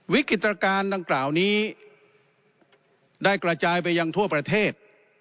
วิกฤตการณ์ดังกล่าวนี้ได้กระจายไปยังทั่วประเทศ